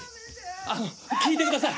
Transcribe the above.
あの聞いてください！